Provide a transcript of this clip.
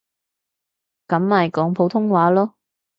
噉咪講普通話囉